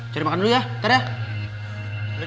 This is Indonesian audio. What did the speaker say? cari makan dulu ya ntar ya